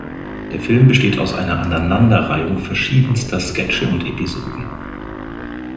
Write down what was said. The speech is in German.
Der Film besteht aus einer Aneinanderreihung verschiedenster Sketche und Episoden.